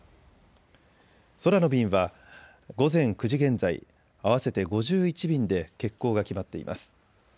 空の便は午前９時現在、合わせて５１便で欠航が決まっています。